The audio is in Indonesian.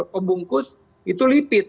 pembungkus itu lipid